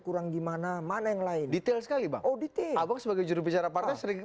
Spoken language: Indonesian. kurang gimana mana yang lain detail sekali bang oh detail abang sebagai jurubicara partai sering